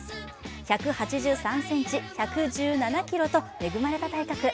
１８３ｃｍ、１１７ｋｇと恵まれた体格。